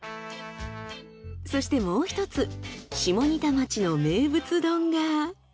そしてもう一つ下仁田町の名物丼が。